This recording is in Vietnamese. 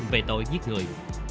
về tội giết người